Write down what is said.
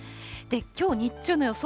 きょう日中の予想